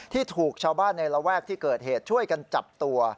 ที่ถูกชาวบ้านในระแวกที่เกิดเหตุช่วยกันจับตัว